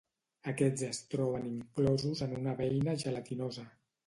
Aquests es troben inclosos en una beina gelatinosa.